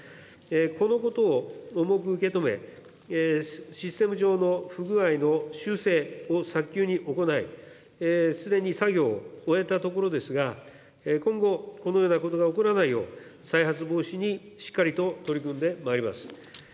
このことを重く受け止め、システム上の不具合の修正を早急に行い、すでに作業を終えたところですが、今後、このようなことが起こらないよう、再発防止にしっかりと取り組んでまいります。